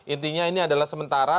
intinya ini adalah sementara